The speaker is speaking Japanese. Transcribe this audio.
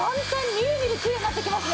みるみるきれいになっていきますね。